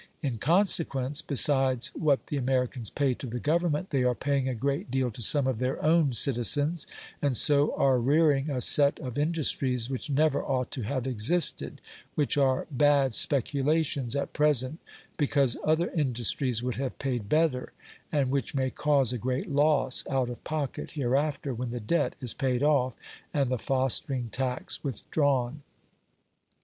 In consequence, besides what the Americans pay to the Government, they are paying a great deal to some of their own citizens, and so are rearing a set of industries which never ought to have existed, which are bad speculations at present because other industries would have paid better, and which may cause a great loss out of pocket hereafter when the debt is paid off and the fostering tax withdrawn.